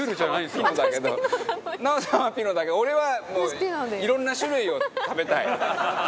バカリズム：奈緒さんはピノだけど、俺は、もういろんな種類を食べたい。